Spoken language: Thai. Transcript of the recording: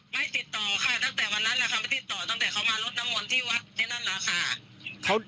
ไม่ติดต่อค่ะตั้งแต่วันนั้นแหละค่ะไม่ติดต่อตั้งแต่เขามารดน้ำมนต์ที่วัดที่นั่นแหละค่ะ